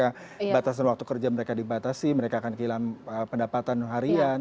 beberapa orang sudah mulai berpikir bahwa saat waktu kerja mereka dibatasi mereka akan kehilangan pendapatan harian